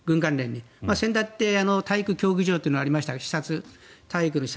先だって、体育競技場の視察というのがありましたが視察、体育の視察。